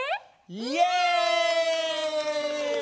イエイ！